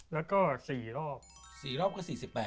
แล้วก็๔รอบ๔รอบก็๔๘